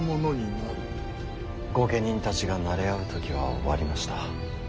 御家人たちがなれ合う時は終わりました。